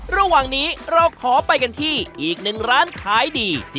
ระหว่างนี้เราขอไปกันที่อีกหนึ่งร้านขายดี